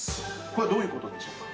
これはどういうことでしょうか？